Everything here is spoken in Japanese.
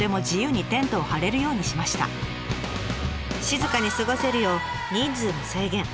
静かに過ごせるよう人数も制限。